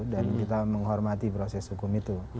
dan kita menghormati proses hukum itu